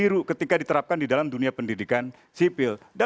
itu miru ketika diterapkan di dalam dunia pendidikan sipil